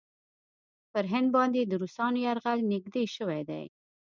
پر هند باندې د روسانو یرغل نېږدې شوی دی.